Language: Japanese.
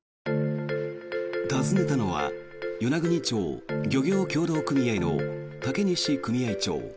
訪ねたのは与那国町漁業組合の嵩西組合長。